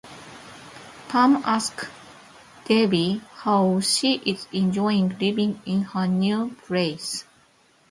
Pam asks Debbie how she is enjoying living in her new place.